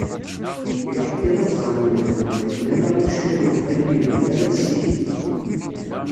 Ilaq kan ad ẓren yimdanen d akken ala ifecka n uɣbalu yeldin ara nessidig.